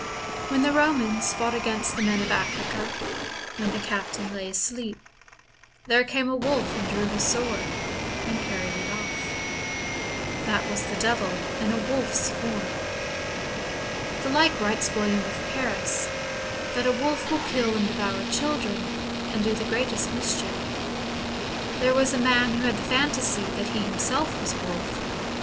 When the Komans fought against the men of Africa, when the captain lay asleep, there came a wolf and drew his sword, and carried it off. That was the Devil in a wolf's form. The like writes William of Paris, — that a wolf will kill and devour children, and do the greatest mischief. There was a man who had the phantasy that he himself was a wolf.